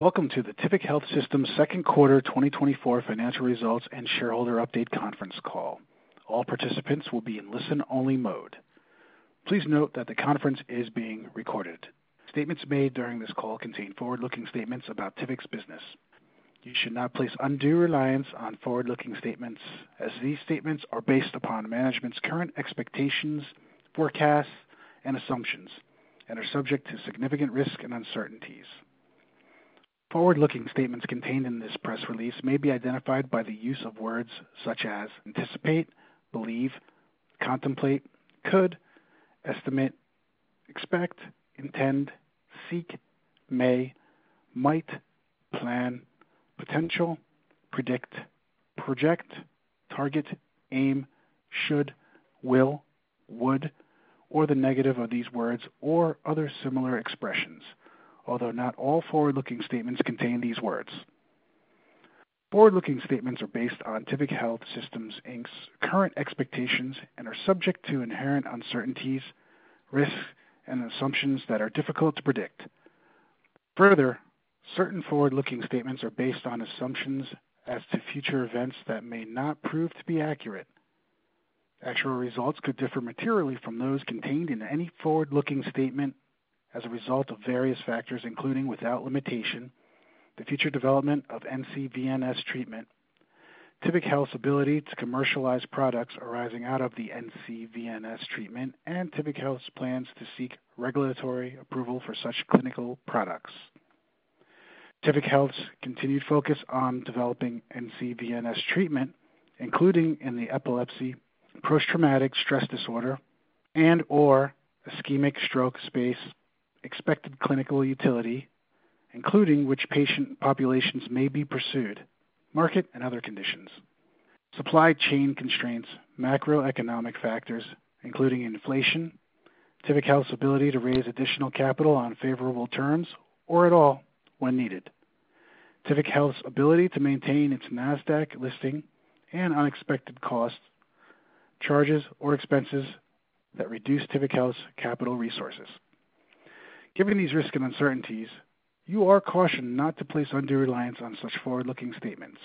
Welcome to the Tivic Health Systems second quarter 2024 financial results and shareholder update conference call. All participants will be in listen-only mode. Please note that the conference is being recorded. Statements made during this call contain forward-looking statements about Tivic's business. You should not place undue reliance on forward-looking statements, as these statements are based upon management's current expectations, forecasts, and assumptions, and are subject to significant risk and uncertainties. Forward-looking statements contained in this press release may be identified by the use of words such as anticipate, believe, contemplate, could, estimate, expect, intend, seek, may, might, plan, potential, predict, project, target, aim, should, will, would, or the negative of these words, or other similar expressions, although not all forward-looking statements contain these words. Forward-looking statements are based on Tivic Health Systems, Inc's current expectations and are subject to inherent uncertainties, risks, and assumptions that are difficult to predict. Further, certain forward-looking statements are based on assumptions as to future events that may not prove to be accurate. Actual results could differ materially from those contained in any forward-looking statement as a result of various factors, including, without limitation, the future development of ncVNS treatment, Tivic Health's ability to commercialize products arising out of the ncVNS treatment, and Tivic Health's plans to seek regulatory approval for such clinical products. Tivic Health's continued focus on developing ncVNS treatment, including in the epilepsy, post-traumatic stress disorder, and/or ischemic stroke space, expected clinical utility, including which patient populations may be pursued, market and other conditions, supply chain constraints, macroeconomic factors, including inflation, Tivic Health's ability to raise additional capital on favorable terms or at all when needed, Tivic Health's ability to maintain its Nasdaq listing and unexpected costs, charges, or expenses that reduce Tivic Health's capital resources. Given these risks and uncertainties, you are cautioned not to place undue reliance on such forward-looking statements.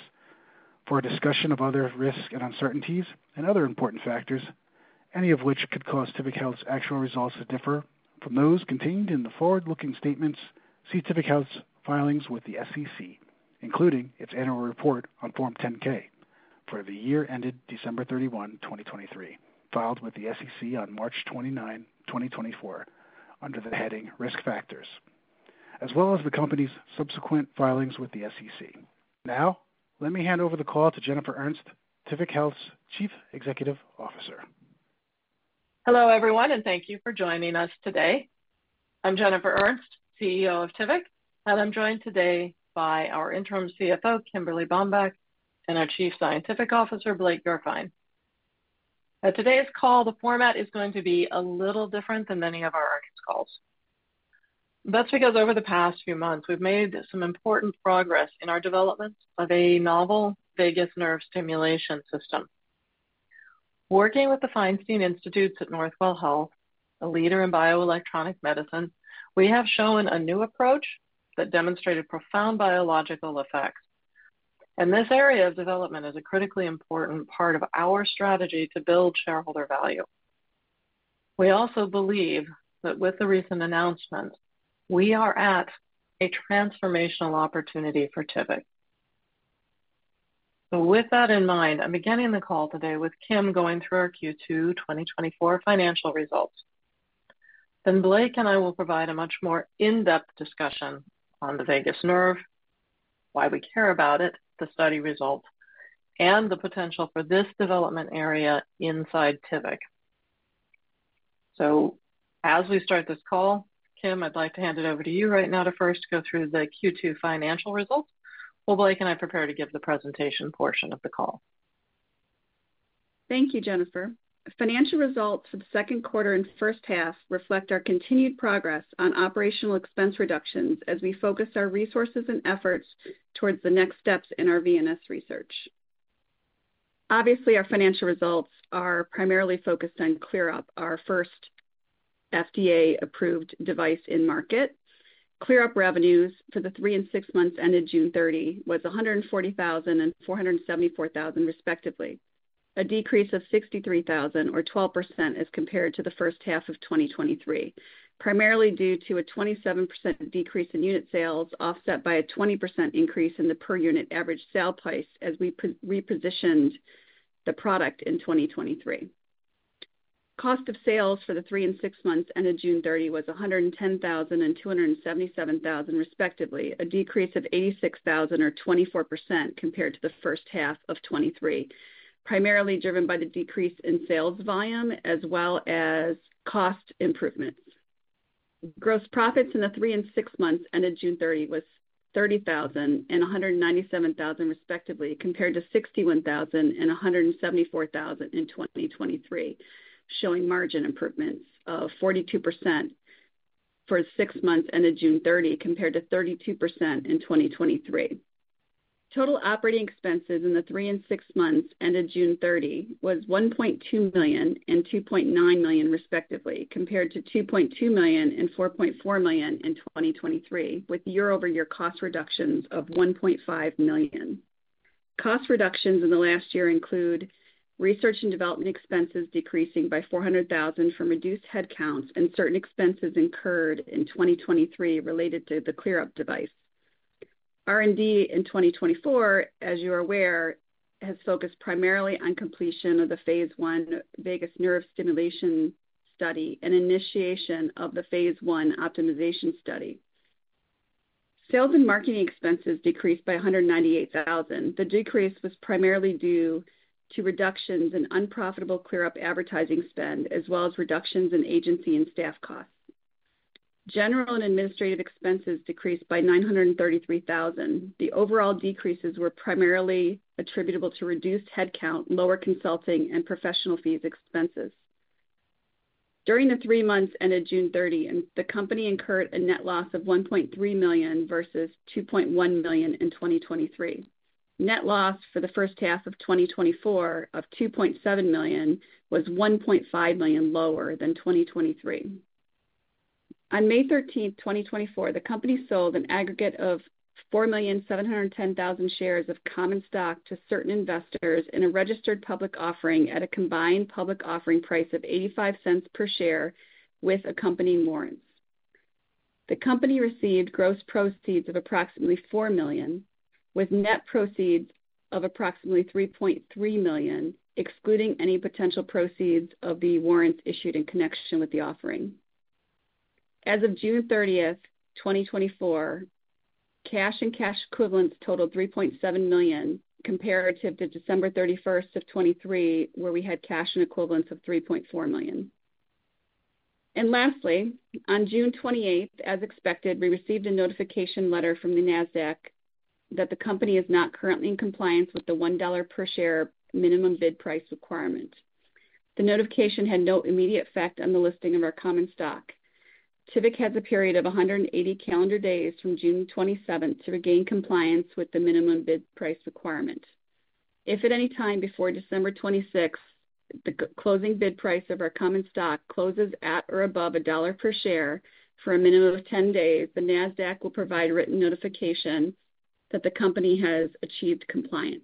For a discussion of other risks and uncertainties and other important factors, any of which could cause Tivic Health's actual results to differ from those contained in the forward-looking statements, see Tivic Health's filings with the SEC, including its annual report on Form 10-K for the year ended December 31, 2023, filed with the SEC on March 29, 2024, under the heading Risk Factors, as well as the company's subsequent filings with the SEC. Now, let me hand over the call to Jennifer Ernst, Tivic Health's Chief Executive Officer. Hello, everyone, and thank you for joining us today. I'm Jennifer Ernst, CEO of Tivic, and I'm joined today by our interim CFO, Kimberly Baumbach, and our Chief Scientific Officer, Blake Gurfein. At today's call, the format is going to be a little different than many of our earnings calls. That's because over the past few months, we've made some important progress in our development of a novel vagus nerve stimulation system. Working with the Feinstein Institutes at Northwell Health, a leader in bioelectronic medicine, we have shown a new approach that demonstrated profound biological effects. And this area of development is a critically important part of our strategy to build shareholder value. We also believe that with the recent announcement, we are at a transformational opportunity for Tivic. So with that in mind, I'm beginning the call today with Kim going through our Q2 2024 financial results. Then Blake and I will provide a much more in-depth discussion on the vagus nerve, why we care about it, the study results, and the potential for this development area inside Tivic. So as we start this call, Kim, I'd like to hand it over to you right now to first go through the Q2 financial results, while Blake and I prepare to give the presentation portion of the call. Thank you, Jennifer. Financial results for the second quarter and first half reflect our continued progress on operational expense reductions as we focus our resources and efforts towards the next steps in our VNS research. Obviously, our financial results are primarily focused on ClearUP, our first FDA-approved device in market. ClearUP revenues for the three and six months ended June 30 was $140,000 and $474,000, respectively, a decrease of $63,000 or 12% as compared to the first half of 2023, primarily due to a 27% decrease in unit sales, offset by a 20% increase in the per unit average sale price as we repositioned the product in 2023. Cost of sales for the three and six months ended June 30 was $110,000 and $277,000, respectively, a decrease of $86,000 or 24% compared to the first half of 2023, primarily driven by the decrease in sales volume as well as cost improvements. Gross profits in the three and six months ended June 30 were $30,000 and $197,000, respectively, compared to $61,000 and $174,000 in 2023, showing margin improvements of 42% for six months ended June 30, compared to 32% in 2023. Total operating expenses in the three and six months ended June 30 were $1.2 million and $2.9 million, respectively, compared to $2.2 million and $4.4 million in 2023, with year-over-year cost reductions of $1.5 million. Cost reductions in the last year include research and development expenses decreasing by $400,000 from reduced headcounts and certain expenses incurred in 2023 related to the ClearUP device. R&D in 2024, as you are aware, has focused primarily on completion of the phase I vagus nerve stimulation study and initiation of the phase I optimization study. Sales and marketing expenses decreased by $198,000. The decrease was primarily due to reductions in unprofitable ClearUP advertising spend, as well as reductions in agency and staff costs. General and administrative expenses decreased by $933,000. The overall decreases were primarily attributable to reduced headcount, lower consulting and professional fees expenses. During the three months ended June 30, and the company incurred a net loss of $1.3 million versus $2.1 million in 2023. Net loss for the first half of 2024 of $2.7 million was $1.5 million lower than 2023. On May 13th, 2024, the company sold an aggregate of 4,710,000 shares of common stock to certain investors in a registered public offering at a combined public offering price of $0.85 per share with accompanying warrants. The company received gross proceeds of approximately $4 million, with net proceeds of approximately $3.3 million, excluding any potential proceeds of the warrants issued in connection with the offering. As of June 30th, 2024, cash and cash equivalents totaled $3.7 million, comparative to December 31st, 2023, where we had cash and equivalents of $3.4 million. Lastly, on June 28, as expected, we received a notification letter from the Nasdaq that the company is not currently in compliance with the $1 per share minimum bid price requirement. The notification had no immediate effect on the listing of our common stock. Tivic has a period of 180 calendar days from June twenty-seventh to regain compliance with the minimum bid price requirement. If at any time before December 26th, the closing bid price of our common stock closes at or above $1 per share for a minimum of 10 days, the Nasdaq will provide written notification that the company has achieved compliance,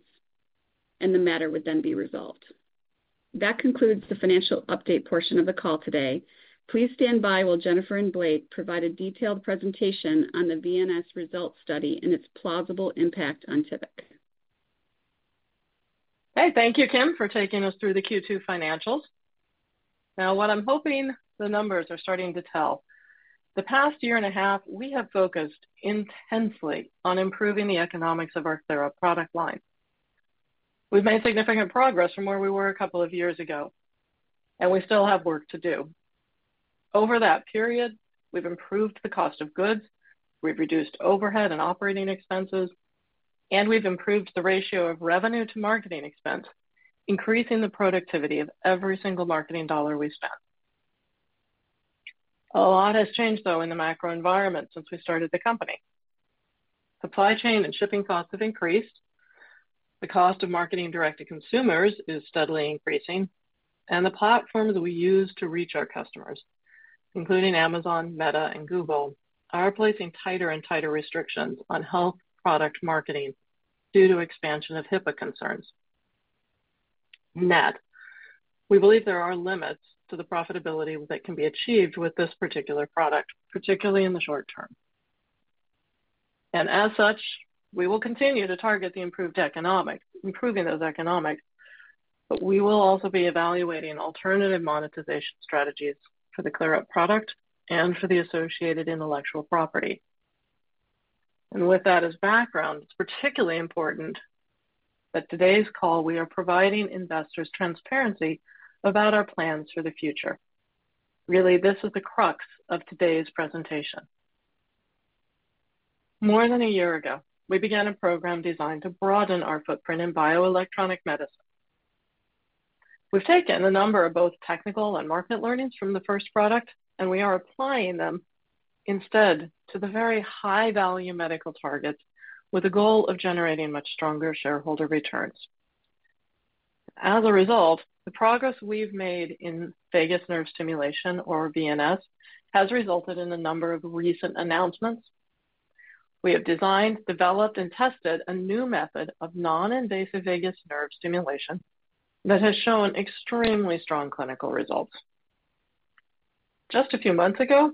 and the matter would then be resolved. That concludes the financial update portion of the call today. Please stand by while Jennifer and Blake provide a detailed presentation on the VNS results study and its plausible impact on Tivic. Hey, thank you, Kim, for taking us through the Q2 financials. Now, what I'm hoping the numbers are starting to tell. The past year and a half, we have focused intensely on improving the economics of our ClearUP product line. We've made significant progress from where we were a couple of years ago, and we still have work to do. Over that period, we've improved the cost of goods, we've reduced overhead and operating expenses, and we've improved the ratio of revenue to marketing expense, increasing the productivity of every single marketing dollar we spent. A lot has changed, though, in the macro environment since we started the company. Supply chain and shipping costs have increased, the cost of marketing direct to consumers is steadily increasing, and the platforms we use to reach our customers, including Amazon, Meta, and Google, are placing tighter and tighter restrictions on health product marketing due to expansion of HIPAA concerns. Net, we believe there are limits to the profitability that can be achieved with this particular product, particularly in the short term. As such, we will continue to target the improved economics, improving those economics, but we will also be evaluating alternative monetization strategies for the ClearUP product and for the associated intellectual property. With that as background, it's particularly important that, on today's call, we are providing investors transparency about our plans for the future. Really, this is the crux of today's presentation. More than a year ago, we began a program designed to broaden our footprint in bioelectronic medicine. We've taken a number of both technical and market learnings from the first product, and we are applying them instead to the very high-value medical targets with the goal of generating much stronger shareholder returns. As a result, the progress we've made in vagus nerve stimulation, or VNS, has resulted in a number of recent announcements. We have designed, developed, and tested a new method of non-invasive vagus nerve stimulation that has shown extremely strong clinical results. Just a few months ago,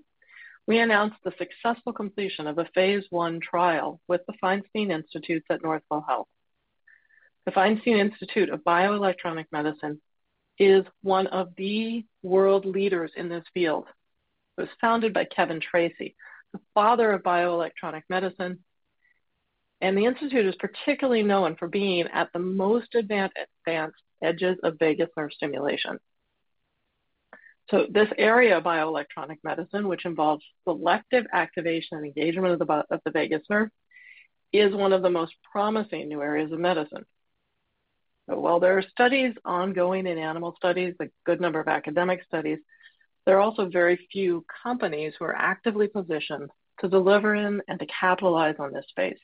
we announced the successful completion of a phase I trial with the Feinstein Institutes at Northwell Health. The Feinstein Institutes of Bioelectronic Medicine is one of the world leaders in this field. It was founded by Kevin Tracey, the father of bioelectronic medicine, and the institute is particularly known for being at the most advanced edges of vagus nerve stimulation. So this area of bioelectronic medicine, which involves selective activation and engagement of the vagus nerve, is one of the most promising new areas of medicine. But while there are studies ongoing in animal studies, a good number of academic studies, there are also very few companies who are actively positioned to deliver and to capitalize on this space.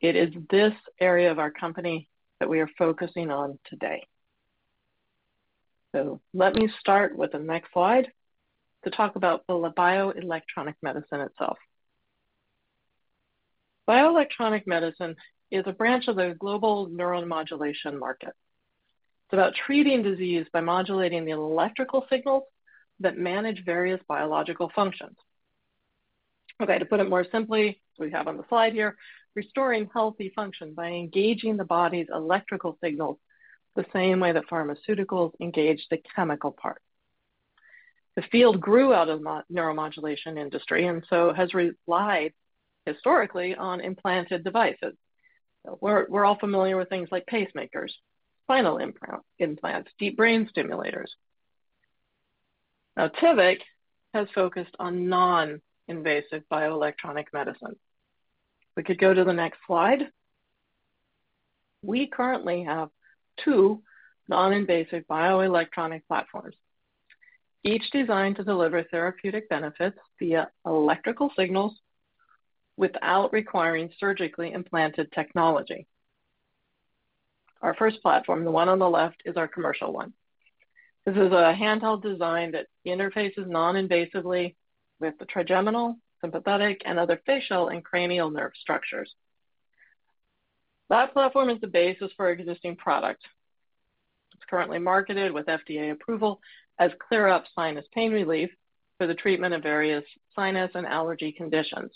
It is this area of our company that we are focusing on today. So let me start with the next slide to talk about the bioelectronic medicine itself. Bioelectronic medicine is a branch of the global neuromodulation market. It's about treating disease by modulating the electrical signals that manage various biological functions. Okay, to put it more simply, we have on the slide here, restoring healthy function by engaging the body's electrical signals, the same way that pharmaceuticals engage the chemical part. The field grew out of the neuromodulation industry, and so has relied historically on implanted devices. We're all familiar with things like pacemakers, spinal implants, deep brain stimulators. Now, Tivic has focused on non-invasive bioelectronic medicine. We could go to the next slide. We currently have two non-invasive bioelectronic platforms, each designed to deliver therapeutic benefits via electrical signals without requiring surgically implanted technology. Our first platform, the one on the left, is our commercial one. This is a handheld design that interfaces non-invasively with the trigeminal, sympathetic, and other facial and cranial nerve structures. That platform is the basis for our existing product. It's currently marketed with FDA approval as ClearUP Sinus Pain Relief for the treatment of various sinus and allergy conditions.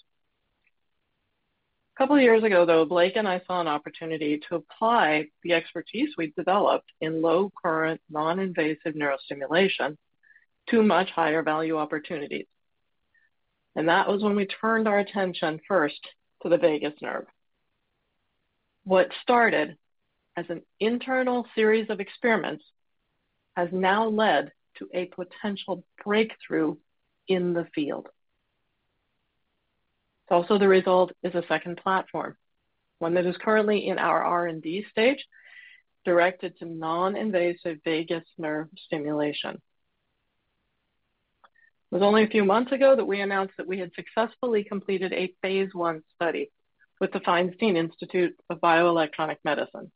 A couple of years ago, though, Blake and I saw an opportunity to apply the expertise we'd developed in low current, non-invasive neurostimulation to much higher value opportunities, and that was when we turned our attention first to the vagus nerve. What started as an internal series of experiments has now led to a potential breakthrough in the field. Also, the result is a second platform, one that is currently in our R&D stage, directed to non-invasive vagus nerve stimulation. It was only a few months ago that we announced that we had successfully completed a phase I study with the Feinstein Institutes for Medical Research.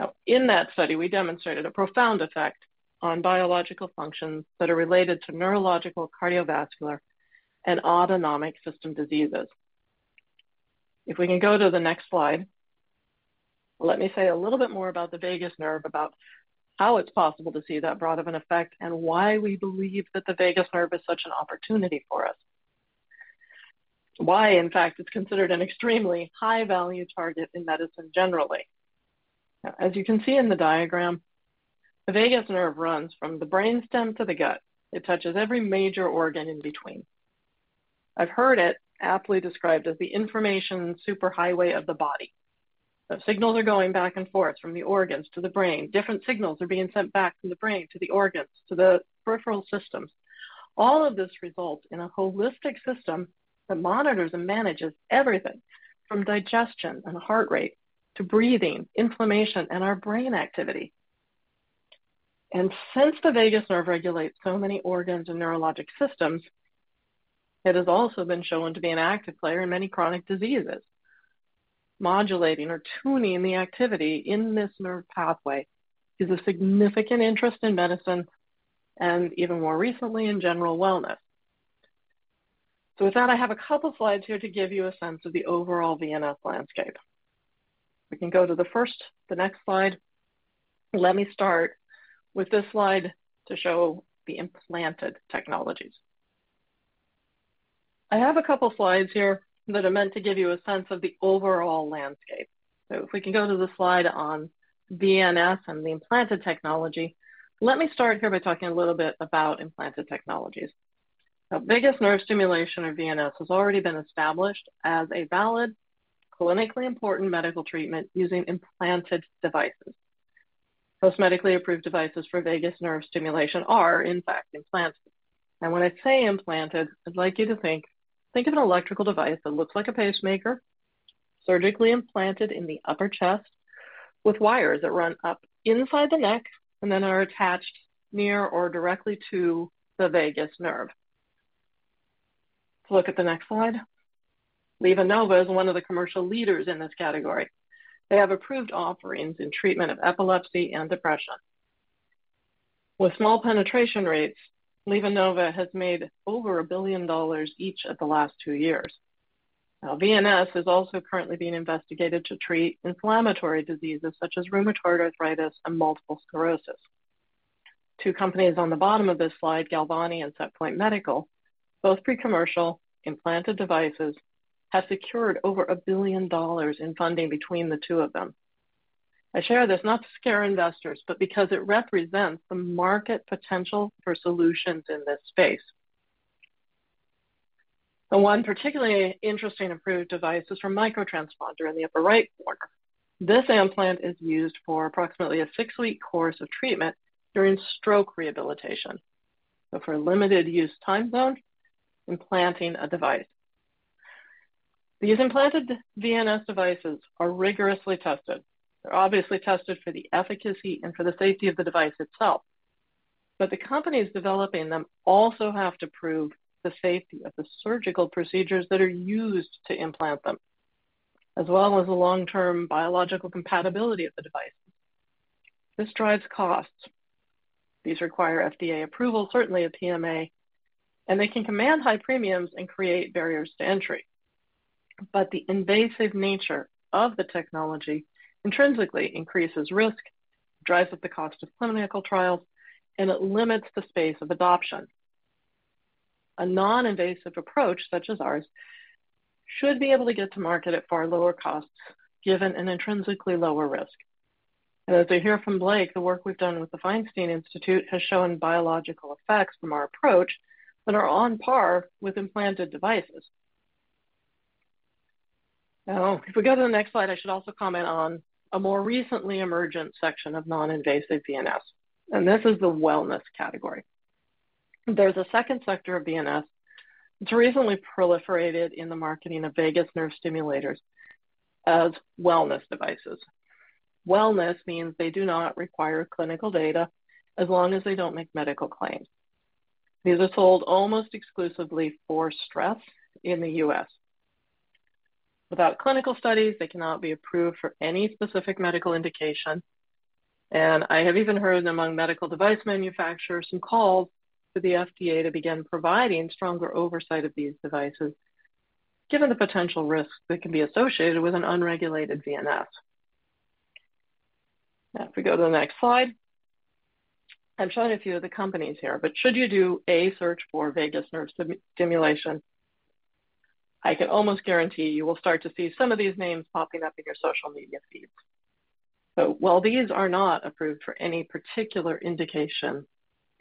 Now, in that study, we demonstrated a profound effect on biological functions that are related to neurological, cardiovascular, and autonomic system diseases. If we can go to the next slide, let me say a little bit more about the vagus nerve, about how it's possible to see that broad of an effect, and why we believe that the vagus nerve is such an opportunity for us. Why, in fact, it's considered an extremely high-value target in medicine generally. As you can see in the diagram, the vagus nerve runs from the brain stem to the gut. It touches every major organ in between. I've heard it aptly described as the information superhighway of the body. The signals are going back and forth from the organs to the brain. Different signals are being sent back from the brain to the organs, to the peripheral systems. All of this results in a holistic system that monitors and manages everything from digestion and heart rate to breathing, inflammation, and our brain activity. Since the vagus nerve regulates so many organs and neurologic systems, it has also been shown to be an active player in many chronic diseases. Modulating or tuning the activity in this nerve pathway is a significant interest in medicine and even more recently, in general wellness. With that, I have a couple of slides here to give you a sense of the overall VNS landscape. We can go to the first, the next slide. Let me start with this slide to show the implanted technologies. I have a couple slides here that are meant to give you a sense of the overall landscape. If we can go to the slide on VNS and the implanted technology, let me start here by talking a little bit about implanted technologies. Now, vagus nerve stimulation, or VNS, has already been established as a valid, clinically important medical treatment using implanted devices. Most medically approved devices for vagus nerve stimulation are, in fact, implanted. And when I say implanted, I'd like you to think, think of an electrical device that looks like a pacemaker, surgically implanted in the upper chest with wires that run up inside the neck and then are attached near or directly to the vagus nerve. Look at the next slide. LivaNova is one of the commercial leaders in this category. They have approved offerings in treatment of epilepsy and depression. With small penetration rates, LivaNova has made over $1 billion each of the last 2 years. Now, VNS is also currently being investigated to treat inflammatory diseases such as rheumatoid arthritis and multiple sclerosis. Two companies on the bottom of this slide, Galvani and SetPoint Medical, both pre-commercial implanted devices, have secured over $1 billion in funding between the two of them. I share this not to scare investors, but because it represents the market potential for solutions in this space. One particularly interesting approved device is from MicroTransponder in the upper right corner. This implant is used for approximately a six-week course of treatment during stroke rehabilitation, but for a limited use time zone, implanting a device. These implanted VNS devices are rigorously tested. They're obviously tested for the efficacy and for the safety of the device itself. But the companies developing them also have to prove the safety of the surgical procedures that are used to implant them, as well as the long-term biological compatibility of the device. This drives costs. These require FDA approval, certainly a PMA, and they can command high premiums and create barriers to entry. But the invasive nature of the technology intrinsically increases risk, drives up the cost of clinical trials, and it limits the space of adoption. A non-invasive approach, such as ours, should be able to get to market at far lower costs, given an intrinsically lower risk. And as we hear from Blake, the work we've done with the Feinstein Institute has shown biological effects from our approach that are on par with implanted devices. Now, if we go to the next slide, I should also comment on a more recently emergent section of non-invasive VNS, and this is the wellness category. There's a second sector of VNS that's recently proliferated in the marketing of vagus nerve stimulators as wellness devices. Wellness means they do not require clinical data as long as they don't make medical claims. These are sold almost exclusively for stress in the U.S. Without clinical studies, they cannot be approved for any specific medical indication, and I have even heard among medical device manufacturers, some calls for the FDA to begin providing stronger oversight of these devices, given the potential risks that can be associated with an unregulated VNS. Now, if we go to the next slide, I'm showing a few of the companies here, but should you do a search for vagus nerve stimulation, I can almost guarantee you will start to see some of these names popping up in your social media feeds. So while these are not approved for any particular indication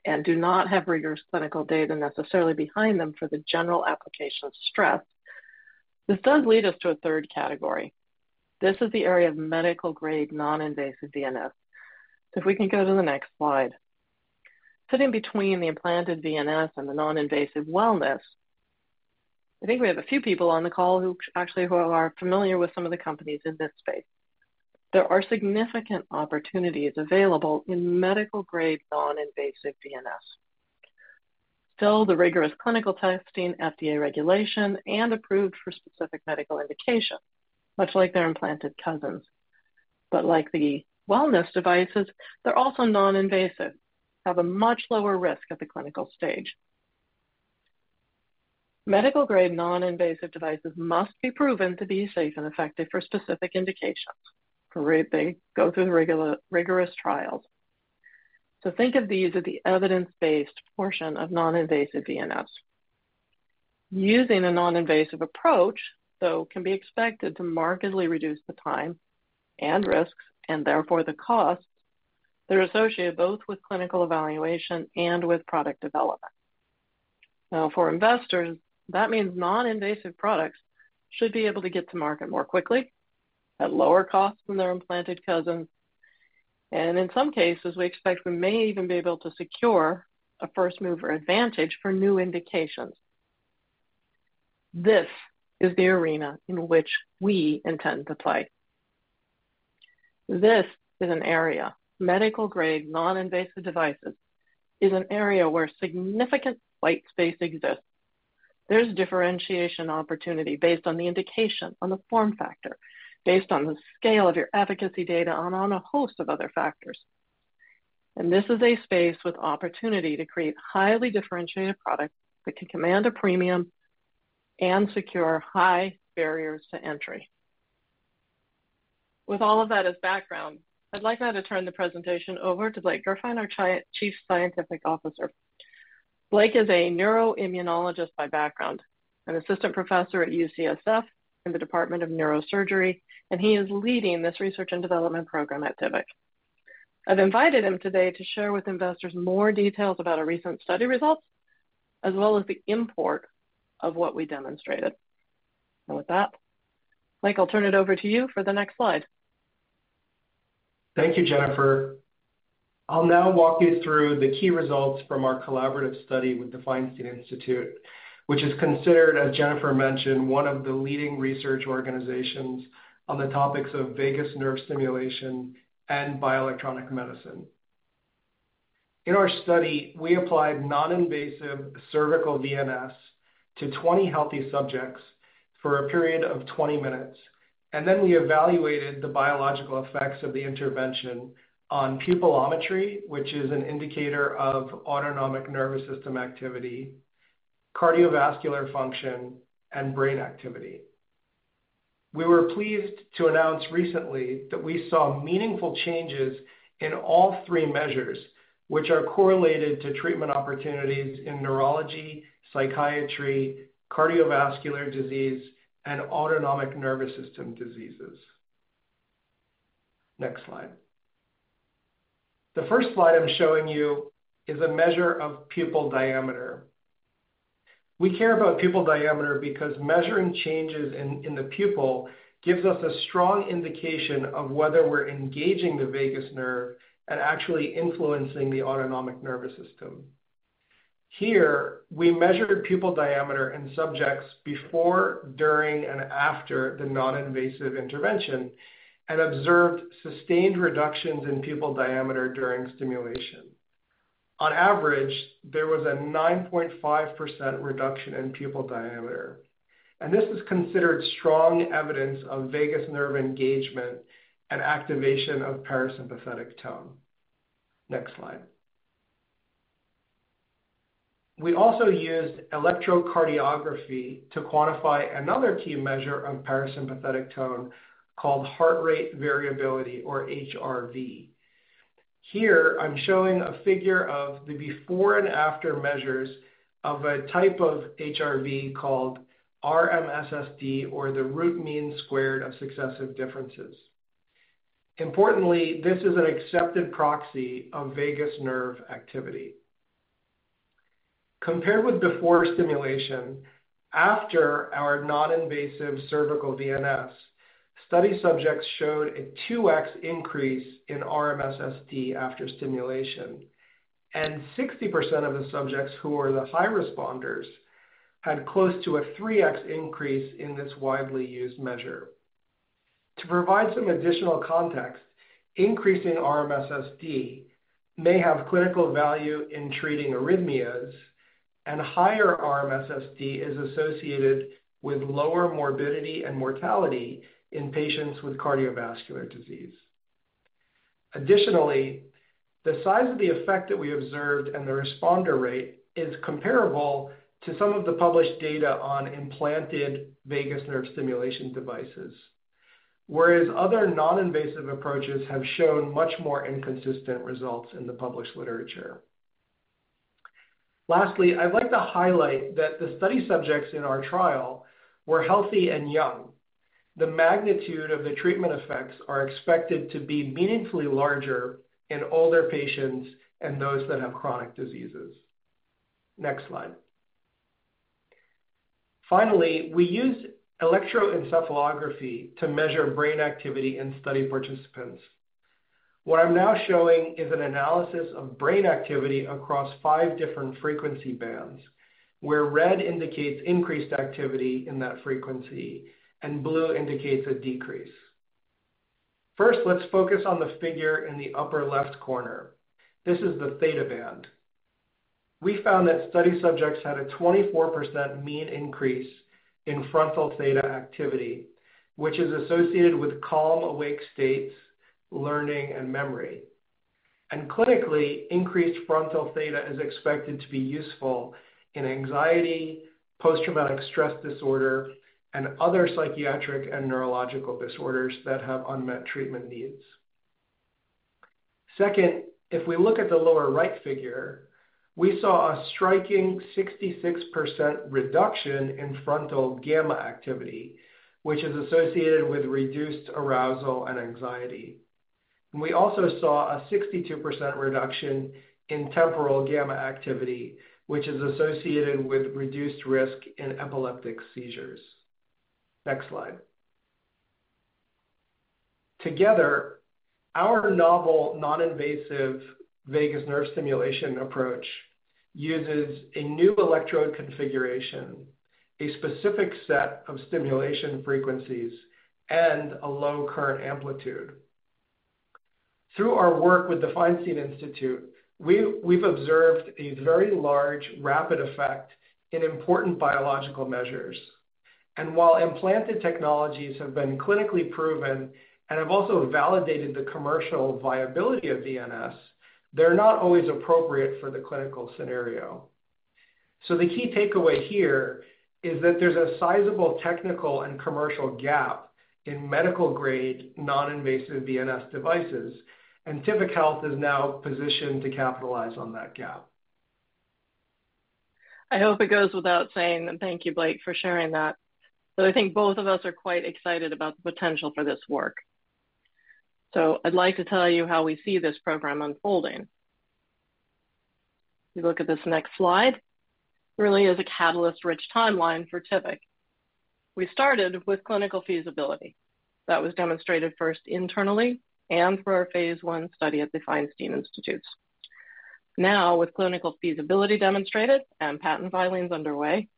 and do not have rigorous clinical data necessarily behind them for the general application of stress, this does lead us to a third category. This is the area of medical-grade, non-invasive VNS. So if we can go to the next slide. Sitting between the implanted VNS and the non-invasive wellness, I think we have a few people on the call who, actually, who are familiar with some of the companies in this space. There are significant opportunities available in medical-grade, non-invasive VNS. Still, the rigorous clinical testing, FDA regulation, and approved for specific medical indication, much like their implanted cousins. But like the wellness devices, they're also non-invasive, have a much lower risk at the clinical stage. Medical-grade, non-invasive devices must be proven to be safe and effective for specific indications. They go through the rigorous trials. So think of these as the evidence-based portion of non-invasive VNS. Using a non-invasive approach, though, can be expected to markedly reduce the time and risks, and therefore the costs that are associated both with clinical evaluation and with product development. Now, for investors, that means non-invasive products should be able to get to market more quickly, at lower costs than their implanted cousins, and in some cases, we expect we may even be able to secure a first-mover advantage for new indications. This is the arena in which we intend to play. This is an area, medical-grade, non-invasive devices, is an area where significant white space exists. There's differentiation opportunity based on the indication, on the form factor, based on the scale of your efficacy data, and on a host of other factors. And this is a space with opportunity to create highly differentiated products that can command a premium and secure high barriers to entry. With all of that as background, I'd like now to turn the presentation over to Blake Gurfein, our Chief Scientific Officer. Blake is a neuroimmunologist by background, an assistant professor at UCSF in the Department of Neurosurgery, and he is leading this research and development program at Tivic. I've invited him today to share with investors more details about our recent study results, as well as the import of what we demonstrated. And with that, Blake, I'll turn it over to you for the next slide. Thank you, Jennifer. I'll now walk you through the key results from our collaborative study with the Feinstein Institute, which is considered, as Jennifer mentioned, one of the leading research organizations on the topics of vagus nerve stimulation and bioelectronic medicine. In our study, we applied non-invasive cervical VNS to 20 healthy subjects for a period of 20 minutes, and then we evaluated the biological effects of the intervention on pupillometry, which is an indicator of autonomic nervous system activity, cardiovascular function, and brain activity. We were pleased to announce recently that we saw meaningful changes in all three measures, which are correlated to treatment opportunities in neurology, psychiatry, cardiovascular disease, and autonomic nervous system diseases. Next slide. The first slide I'm showing you is a measure of pupil diameter. We care about pupil diameter because measuring changes in the pupil gives us a strong indication of whether we're engaging the vagus nerve and actually influencing the autonomic nervous system. Here, we measured pupil diameter in subjects before, during, and after the non-invasive intervention, and observed sustained reductions in pupil diameter during stimulation. On average, there was a 9.5% reduction in pupil diameter, and this is considered strong evidence of vagus nerve engagement and activation of parasympathetic tone. Next slide. We also used electrocardiography to quantify another key measure of parasympathetic tone called heart rate variability, or HRV. Here, I'm showing a figure of the before and after measures of a type of HRV called RMSSD, or the root mean squared of successive differences. Importantly, this is an accepted proxy of vagus nerve activity. Compared with before stimulation, after our non-invasive cervical VNS, study subjects showed a 2x increase in RMSSD after stimulation, and 60% of the subjects who were the high responders had close to a 3x increase in this widely used measure. To provide some additional context, increasing RMSSD may have clinical value in treating arrhythmias, and higher RMSSD is associated with lower morbidity and mortality in patients with cardiovascular disease. Additionally, the size of the effect that we observed and the responder rate is comparable to some of the published data on implanted vagus nerve stimulation devices, whereas other non-invasive approaches have shown much more inconsistent results in the published literature. Lastly, I'd like to highlight that the study subjects in our trial were healthy and young. The magnitude of the treatment effects are expected to be meaningfully larger in older patients and those that have chronic diseases. Next slide. Finally, we used electroencephalography to measure brain activity in study participants. What I'm now showing is an analysis of brain activity across five different frequency bands, where red indicates increased activity in that frequency and blue indicates a decrease. First, let's focus on the figure in the upper left corner. This is the theta band. We found that study subjects had a 24% mean increase in frontal theta activity, which is associated with calm, awake states, learning, and memory. Clinically, increased frontal theta is expected to be useful in anxiety, post-traumatic stress disorder, and other psychiatric and neurological disorders that have unmet treatment needs. Second, if we look at the lower right figure, we saw a striking 66% reduction in frontal gamma activity, which is associated with reduced arousal and anxiety. We also saw a 62% reduction in temporal gamma activity, which is associated with reduced risk in epileptic seizures. Next slide. Together, our novel non-invasive vagus nerve stimulation approach uses a new electrode configuration, a specific set of stimulation frequencies, and a low current amplitude. Through our work with the Feinstein Institute, we've observed a very large, rapid effect in important biological measures. While implanted technologies have been clinically proven and have also validated the commercial viability of VNS, they're not always appropriate for the clinical scenario. The key takeaway here is that there's a sizable technical and commercial gap in medical-grade, non-invasive VNS devices, and Tivic Health is now positioned to capitalize on that gap. I hope it goes without saying, and thank you, Blake, for sharing that, but I think both of us are quite excited about the potential for this work. So I'd like to tell you how we see this program unfolding. If you look at this next slide, it really is a catalyst-rich timeline for Tivic. We started with clinical feasibility. That was demonstrated first internally and through our phase I study at the Feinstein Institute. Now, with clinical feasibility demonstrated and patent filings underway,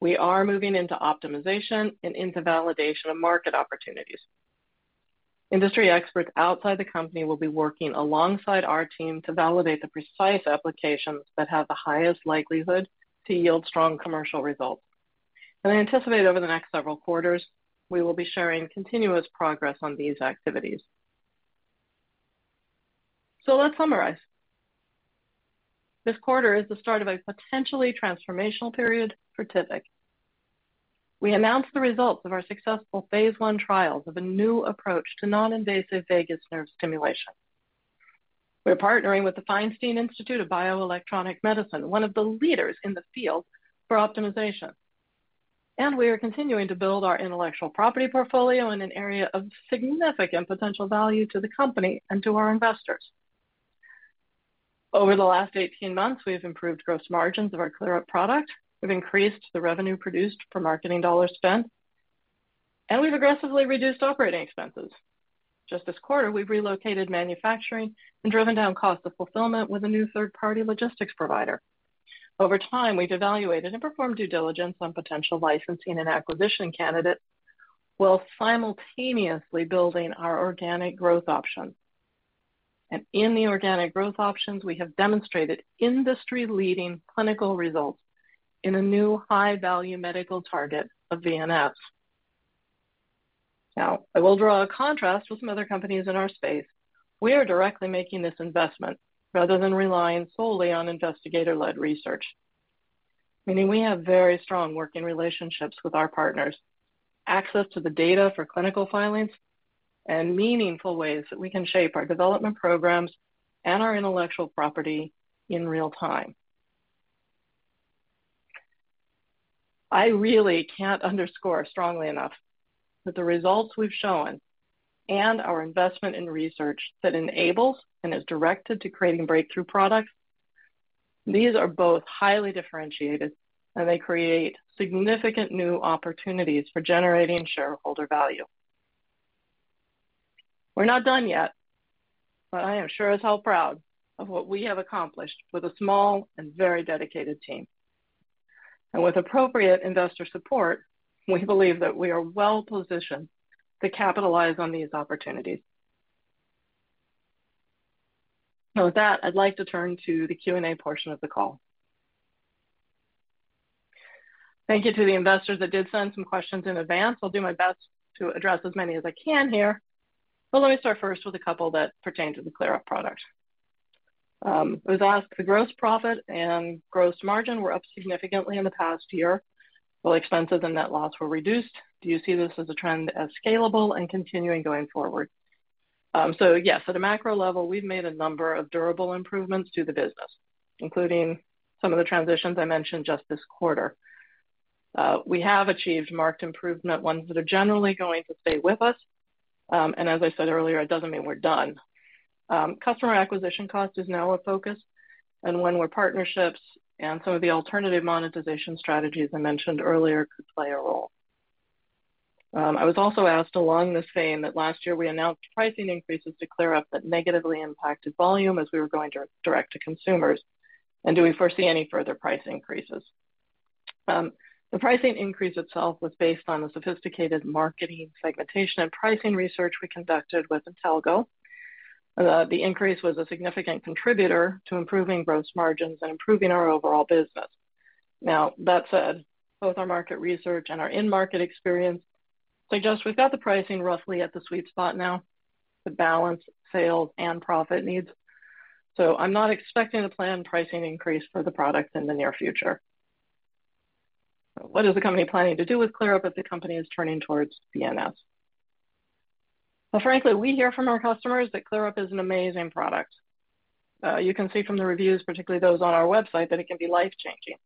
we are moving into optimization and into validation of market opportunities. Industry experts outside the company will be working alongside our team to validate the precise applications that have the highest likelihood to yield strong commercial results. And I anticipate over the next several quarters, we will be sharing continuous progress on these activities. So let's summarize. This quarter is the start of a potentially transformational period for Tivic. We announced the results of our successful phase I trials of a new approach to non-invasive vagus nerve stimulation. We're partnering with the Feinstein Institutes for Medical Research, one of the leaders in the field, for optimization. We are continuing to build our intellectual property portfolio in an area of significant potential value to the company and to our investors. Over the last 18 months, we've improved gross margins of our ClearUP product. We've increased the revenue produced per marketing dollar spent. We've aggressively reduced operating expenses. Just this quarter, we've relocated manufacturing and driven down costs of fulfillment with a new third-party logistics provider. Over time, we've evaluated and performed due diligence on potential licensing and acquisition candidates, while simultaneously building our organic growth options. In the organic growth options, we have demonstrated industry-leading clinical results in a new high-value medical target of VNS. Now, I will draw a contrast with some other companies in our space. We are directly making this investment rather than relying solely on investigator-led research, meaning we have very strong working relationships with our partners, access to the data for clinical filings, and meaningful ways that we can shape our development programs and our intellectual property in real time. I really can't underscore strongly enough that the results we've shown and our investment in research that enables and is directed to creating breakthrough products, these are both highly differentiated, and they create significant new opportunities for generating shareholder value. We're not done yet, but I am sure as hell proud of what we have accomplished with a small and very dedicated team. With appropriate investor support, we believe that we are well positioned to capitalize on these opportunities. So with that, I'd like to turn to the Q&A portion of the call. Thank you to the investors that did send some questions in advance. I'll do my best to address as many as I can here, but let me start first with a couple that pertain to the ClearUP product. I was asked, "The gross profit and gross margin were up significantly in the past year, while expenses and net loss were reduced. Do you see this as a trend as scalable and continuing going forward?" So yes, at a macro level, we've made a number of durable improvements to the business, including some of the transitions I mentioned just this quarter. We have achieved marked improvement, ones that are generally going to stay with us. And as I said earlier, it doesn't mean we're done. Customer acquisition cost is now a focus and one where partnerships and some of the alternative monetization strategies I mentioned earlier could play a role. I was also asked along this vein that last year we announced pricing increases to ClearUP that negatively impacted volume as we were going direct to consumers, and do we foresee any further price increases? The pricing increase itself was based on the sophisticated marketing, segmentation, and pricing research we conducted with Intellego. The increase was a significant contributor to improving gross margins and improving our overall business. Now, that said, both our market research and our in-market experience suggest we've got the pricing roughly at the sweet spot now to balance sales and profit needs. So I'm not expecting a planned pricing increase for the product in the near future. What is the company planning to do with ClearUP as the company is turning towards VNS? Well, frankly, we hear from our customers that ClearUP is an amazing product. You can see from the reviews, particularly those on our website, that it can be life-changing.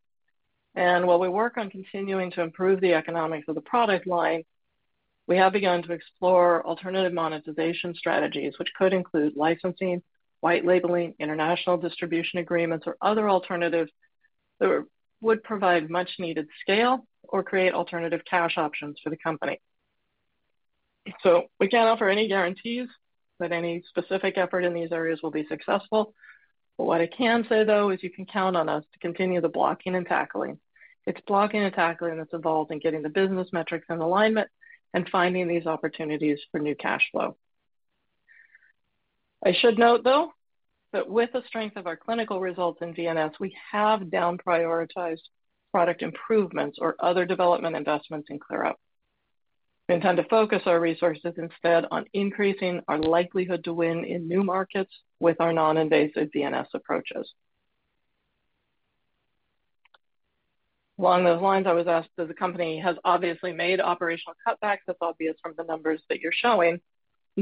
And while we work on continuing to improve the economics of the product line, we have begun to explore alternative monetization strategies, which could include licensing, white labeling, international distribution agreements, or other alternatives that would provide much-needed scale or create alternative cash options for the company. So we can't offer any guarantees that any specific effort in these areas will be successful. But what I can say, though, is you can count on us to continue the blocking and tackling. It's blocking and tackling that's involved in getting the business metrics in alignment and finding these opportunities for new cash flow. I should note, though, that with the strength of our clinical results in VNS, we have down prioritized product improvements or other development investments in ClearUP. We intend to focus our resources instead on increasing our likelihood to win in new markets with our non-invasive VNS approaches. Along those lines, I was asked, as the company has obviously made operational cutbacks, that's obvious from the numbers that you're showing,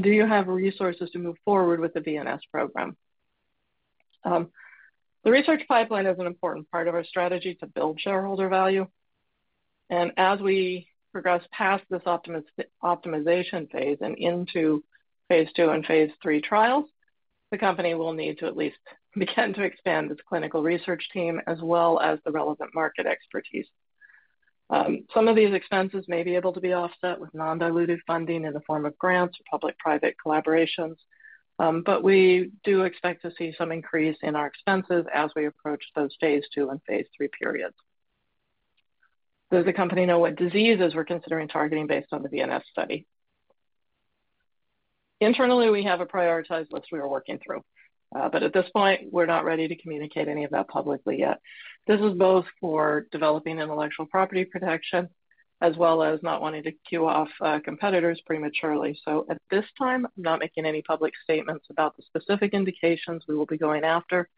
do you have resources to move forward with the VNS program? The research pipeline is an important part of our strategy to build shareholder value, and as we progress past this optimization phase and into phase II and phase III trials, the company will need to at least begin to expand its clinical research team, as well as the relevant market expertise. Some of these expenses may be able to be offset with non-dilutive funding in the form of grants or public-private collaborations, but we do expect to see some increase in our expenses as we approach those phase II and phase III periods. Does the company know what diseases we're considering targeting based on the VNS study? Internally, we have a prioritized list we are working through, but at this point, we're not ready to communicate any of that publicly yet. This is both for developing intellectual property protection as well as not wanting to cue off competitors prematurely. So at this time, I'm not making any public statements about the specific indications we will be going after,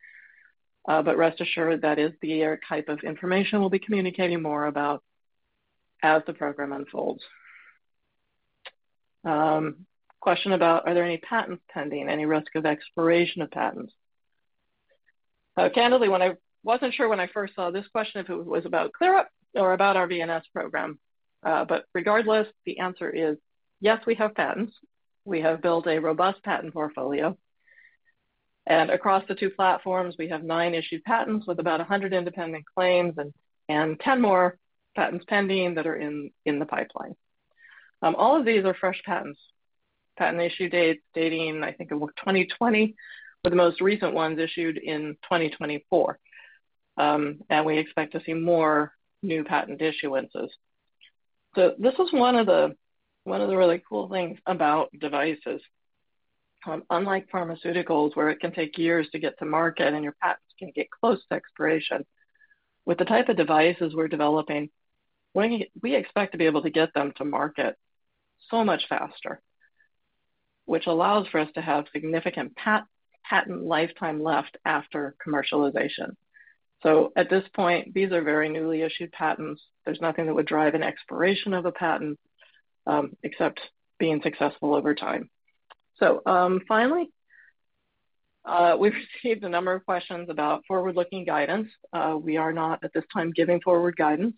but rest assured that is the type of information we'll be communicating more about as the program unfolds. Question about, are there any patents pending, any risk of expiration of patents? Candidly, when I wasn't sure when I first saw this question, if it was about ClearUP or about our VNS program. But regardless, the answer is yes, we have patents. We have built a robust patent portfolio. And across the two platforms, we have nine issued patents with about 100 independent claims and 10 more patents pending that are in the pipeline. All of these are fresh patents, patent issue dates dating, I think, in 2020, with the most recent ones issued in 2024. And we expect to see more new patent issuances. So this is one of the, one of the really cool things about devices. Unlike pharmaceuticals, where it can take years to get to market and your patents can get close to expiration, with the type of devices we're developing, we, we expect to be able to get them to market so much faster, which allows for us to have significant patent lifetime left after commercialization. So at this point, these are very newly issued patents. There's nothing that would drive an expiration of a patent, except being successful over time. So, finally, we've received a number of questions about forward-looking guidance. We are not, at this time, giving forward guidance.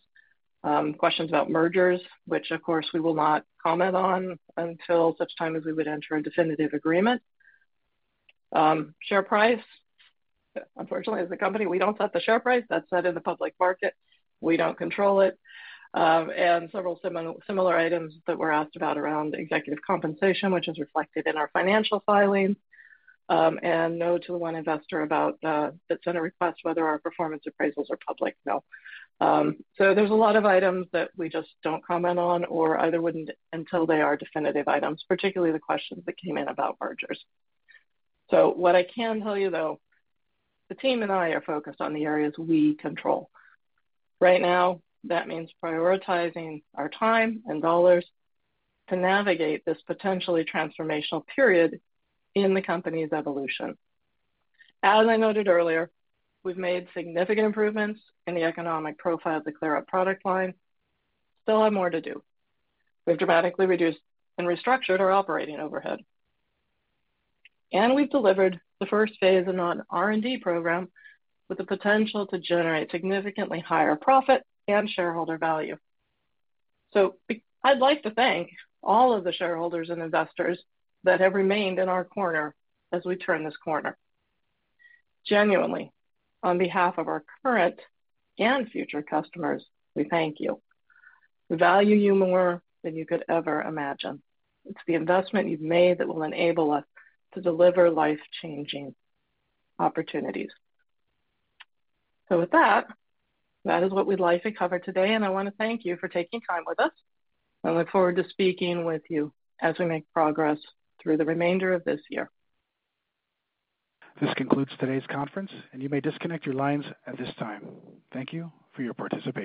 Questions about mergers, which, of course, we will not comment on until such time as we would enter a definitive agreement. Share price. Unfortunately, as a company, we don't set the share price. That's set in the public market. We don't control it. And several similar, similar items that were asked about around executive compensation, which is reflected in our financial filings, and no to the one investor about that sent a request whether our performance appraisals are public. No. So there's a lot of items that we just don't comment on or either wouldn't until they are definitive items, particularly the questions that came in about mergers. So what I can tell you, though, the team and I are focused on the areas we control. Right now, that means prioritizing our time and dollars to navigate this potentially transformational period in the company's evolution. As I noted earlier, we've made significant improvements in the economic profile of the ClearUP product line. Still have more to do. We've dramatically reduced and restructured our operating overhead, and we've delivered the first phase of an R&D program with the potential to generate significantly higher profit and shareholder value. I'd like to thank all of the shareholders and investors that have remained in our corner as we turn this corner. Genuinely, on behalf of our current and future customers, we thank you. We value you more than you could ever imagine. It's the investment you've made that will enable us to deliver life-changing opportunities. So with that, that is what we'd like to cover today, and I want to thank you for taking time with us. I look forward to speaking with you as we make progress through the remainder of this year. This concludes today's conference, and you may disconnect your lines at this time. Thank you for your participation.